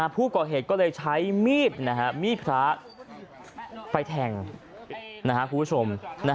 ผู้ก่อเหตุก็เลยใช้มีดมีดพระไปแทงคุณผู้ชม